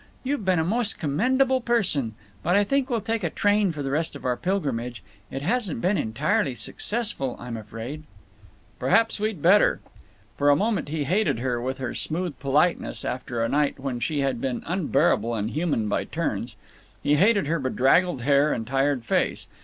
You've been a most commendable person…. But I think we'll take a train for the rest of our pilgrimage. It hasn't been entirely successful, I'm afraid." "Perhaps we'd better." For a moment he hated her, with her smooth politeness, after a night when she had been unbearable and human by turns. He hated her bedraggled hair and tired face.